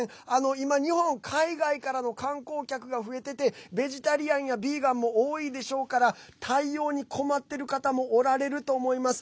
今、日本海外からの観光客が増えててベジタリアンやビーガンも多いでしょうから対応に困ってる方もおられると思います。